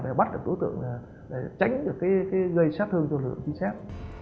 để bắt được đối tượng để tránh được gây sát thương cho lực lượng trinh sát